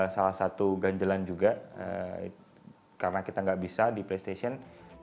salah satu ganjelan juga karena kita nggak bisa di playstation